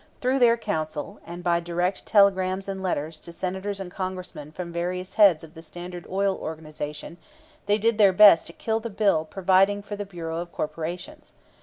Through their counsel, and by direct telegrams and letters to Senators and Congressmen from various heads of the Standard Oil organization, they did their best to kill the bill providing for the Bureau of Corporations.